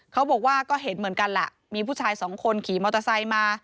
เขาบอกว่าก็เห็นเหมือนกันแหละมีผู้ชายสองคนขี่มอเตอร์ไซค์มา